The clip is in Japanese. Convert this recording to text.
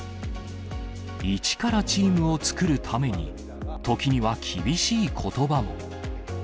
一からチームを作るために、時には厳しいことばも。